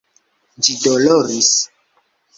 Ĝi doloris.